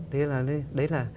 thế là đấy là